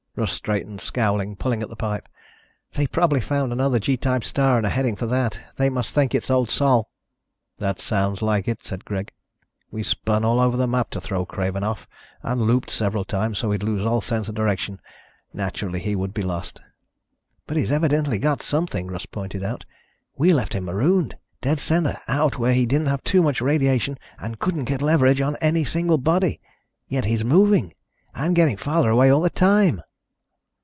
Russ straightened, scowling, pulling at the pipe. "They probably found another G type star, and are heading for that. They must think it is old Sol." "That sounds like it," said Greg. "We spun all over the map to throw Craven off and looped several times so he'd lose all sense of direction. Naturally he would be lost." "But he's evidently got something," Russ pointed out. "We left him marooned ... dead center, out where he didn't have too much radiation and couldn't get leverage on any single body. Yet he's moving and getting farther away all the time."